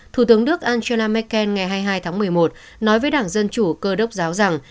thủ tướng đức angela merkel ngày hai mươi hai tháng một mươi một nói với đảng dân chủ cơ đốc giáo rằng